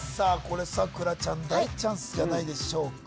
これ咲楽ちゃん大チャンスじゃないでしょうか